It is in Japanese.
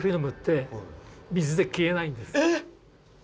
えっ！？